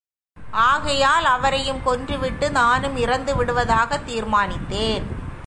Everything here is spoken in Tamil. ஆகையால் அவரையும் கொன்று விட்டு நானும் இறந்து விடுவதாகத் தீர்மானித்தேன்.